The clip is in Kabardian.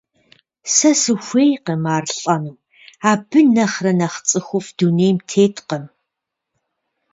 Сэ сыхуейкъым ар лӀэну, абы нэхърэ нэхъ цӀыхуфӀ дунейм теткъым.